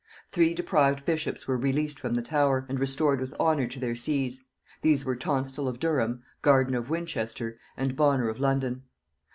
Three deprived bishops were released from the Tower, and restored with honor to their sees. These were, Tonstal of Durham, Gardiner of Winchester, and Bonner of London.